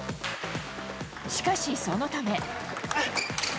しかしそのため。